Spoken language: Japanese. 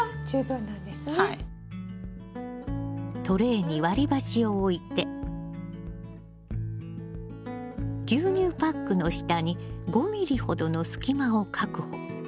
トレーに割り箸を置いて牛乳パックの下に５ｍｍほどの隙間を確保。